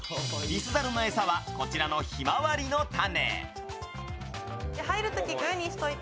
リスザルの餌はこちらのひまわりの種。